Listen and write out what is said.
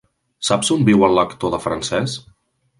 Saps on viu el lector de francès?